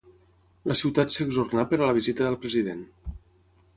La ciutat s'exornà per a la visita del president.